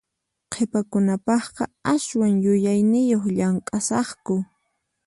Qhipakunapaqqa aswan yuyayniyuq llamk'asaqku.